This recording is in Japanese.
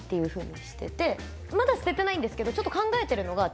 まだ捨ててないんですけどちょっと考えてるのが。